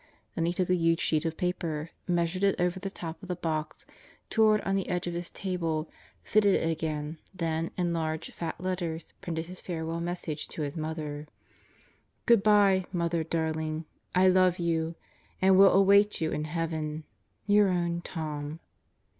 Then he took a huge sheet of paper, measured it over the top of the box, tore it on the edge of his table, fitted it again, then in large, fat letters printed his farewell message to his mother: GOOD BY, MOTHER DARLING, I LOVE YOU and WILL AWAIT YOU IN HEAVEN1 Your own Tom.